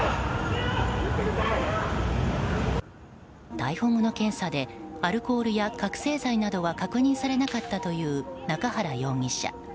逮捕後の検査でアルコールや覚醒剤などは確認されなかったという中原容疑者。